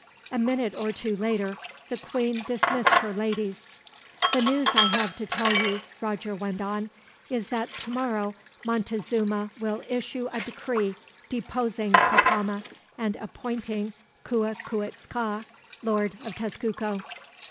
A minute or two later, the queen dismissed her ladies. "The news I have to tell you," Roger went on, "is that tomorrow Montezuma will issue a decree deposing Cacama, and appointing Cuicuitzca Lord of Tezcuco."